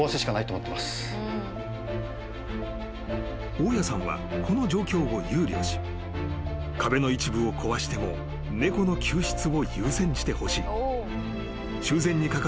［大家さんはこの状況を憂慮し壁の一部を壊しても猫の救出を優先してほしい］